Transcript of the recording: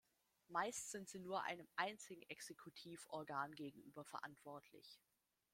Meist sind sie nur einem einzigen Exekutivorgan gegenüber verantwortlich.